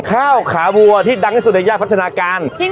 ข้าวขาวัวที่ดังที่สุดในย่านพัฒนาการ